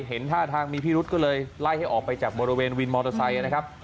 เห็นท่าทางมีพิรุษก็เลยไล่ให้ออกไปจากบริเวณวินมอเตอร์ไซค์นะครับ